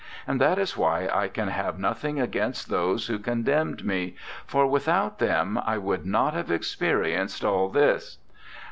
... And that is why I can have nothing against those who condemned me, for without them I would not have experienced all this.